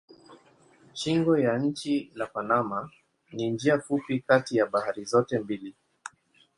Shingo ya nchi la Panama ni njia fupi kati ya bahari zote mbili.